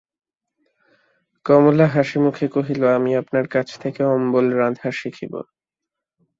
কমলা হাসিমুখে কহিল, আমি আপনার কাছ থেকে অম্বল-রাঁধা শিখিব।